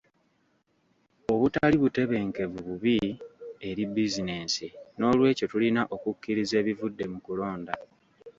Obutali butebenkevu bubi eri bizinesi, n'olwekyo tulina okukkiriza ebivudde mu kulonda.